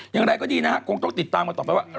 อย่างไรก็ดีนะฮะคงต้องติดตามกันต่อไปว่า